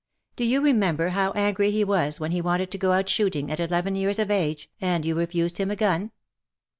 Do you remember how angry he was when he wanted to go out shooting, at eleven years of age, and you refused him a gun.